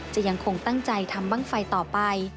ยังคงตั้งใจทำบ้างไฟต่อไป